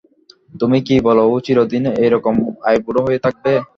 তুমি কি বল ও চিরদিন এইরকম আইবুড়ো হয়েই থাকবে?